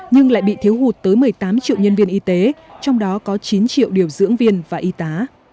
nhưng lại bị thiếu hụt tới một mươi tám triệu nhân viên y tế trong đó có chín triệu điều dưỡng viên và y tá